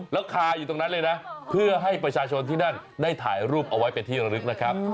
แล้วคาอยู่ตรงนั้นเลยนะเพื่อให้ประชาชนที่นั่นได้ถ่ายรูปเอาไว้เป็นที่ระลึกนะครับ